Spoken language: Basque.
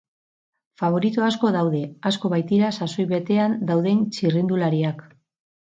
Faborito asko daude, asko baitira sasoi betean dauden txirrindulariak.